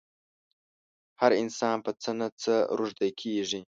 هر انسان په څه نه څه روږدی کېږي.